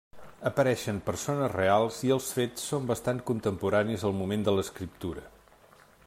Apareixen persones reals i els fets són bastant contemporanis al moment de l'escriptura.